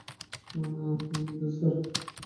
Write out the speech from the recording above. ভিতরে, স্যার।